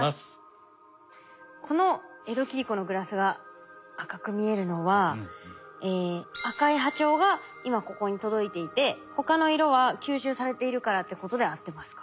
この江戸切子のグラスが赤く見えるのは赤い波長が今ここに届いていて他の色は吸収されているからってことで合ってますか？